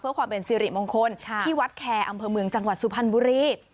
เพื่อความเป็นสิริมงคลที่วัดแคร์อำเภอเมืองจังหวัดสุพรรณบุรี